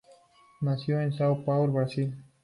Nació en São Paulo, Brasil.